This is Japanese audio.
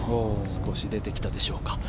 少し出てきたでしょうか。